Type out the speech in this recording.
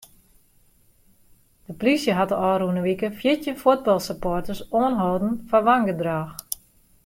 De plysje hat de ôfrûne wike fjirtjin fuotbalsupporters oanholden foar wangedrach.